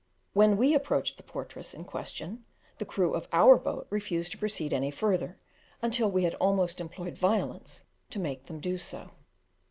When we approached the fortress in question, the crew of our boat refused to proceed any further, until we had almost employed violence to make them do so.